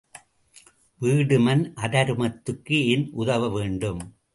வீடுமன் அதருமத்துக்கு ஏன் உதவ வேண்டும்?